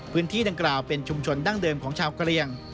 พื้นที่ดังกล่าวเป็นชุมชนดั้งเดิมของชาวเกรียง